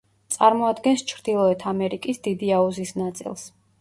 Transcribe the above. წარმოადგენს ჩრდილოეთ ამერიკის დიდი აუზის ნაწილს.